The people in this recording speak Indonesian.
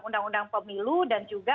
undang undang pemilu dan juga